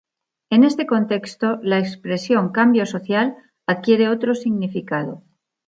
En este contexto, la expresión "cambio social" adquiere otro significado.